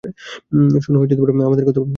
শোনো, আমাদের কথা বলতে হবে!